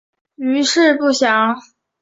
余事不详。